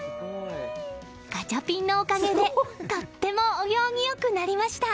ガチャピンのおかげでとてもお行儀良くなりました！